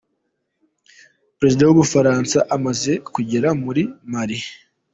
Perezida w’u Bufaransa amaze kugera muri Mali